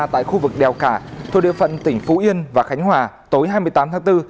thu địa phận tỉnh phú yên và khánh hòa tối hai mươi tám tháng bốn